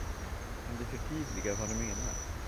Kan du förtydliga vad du menar.